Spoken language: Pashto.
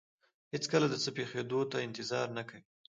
هېڅکله د څه پېښېدو ته انتظار نه کوي.